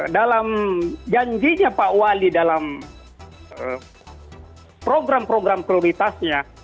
dalam janjinya pak wali dalam program program prioritasnya